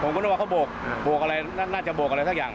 นึกว่าเขาโบกอะไรน่าจะโบกอะไรสักอย่าง